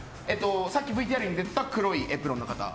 さっき、ＶＴＲに出ていた黒いエプロンの方。